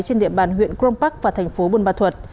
trên địa bàn huyện grom park và thành phố bùn bà thuật